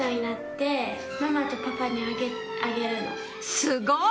すごい！